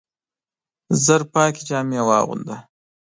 ژر پاکي جامې واغونده !